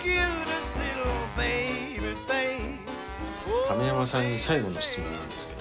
亀山さんに最後の質問なんですけど。